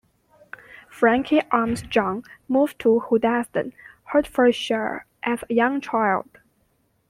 Frankie Armstrong moved to Hoddesdon, Hertfordshire, as a young child.